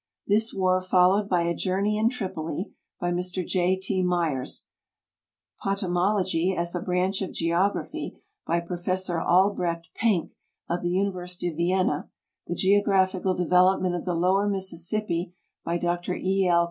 Tiiis was followed by a Journey in Tripoli, by Mr J. T. Myers ; Potamol ogy as a Branch of Geography, by Prof. Albrecht Penck. of the University of Vienna ; the Geographical Develo|>ment of the Lower Mississippi, by Dr E. L.